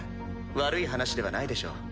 悪い話ではないでしょう。